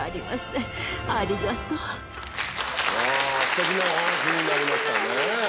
すてきなお話になりましたね。